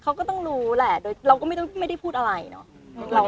เขาก็ต้องรู้แหละโดยเราก็ไม่ได้พูดอะไรเนาะ